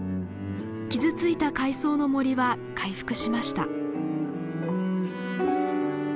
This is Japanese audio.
傷ついた海藻の森は回復しました。